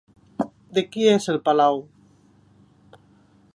De qui és el palau?